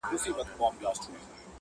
• نه پلار ګوري نه خپلوان او نه تربرونه -